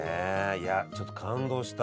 いやちょっと感動した。